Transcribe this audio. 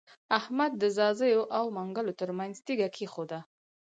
احمد د ځاځيو او منلګو تر منځ تيږه کېښوده.